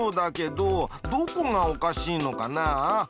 どこがおかしいのかな？